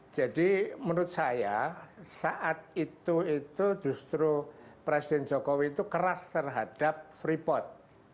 jadi menurut saya saat itu itu justru presiden jokowi itu keras terhadap freeport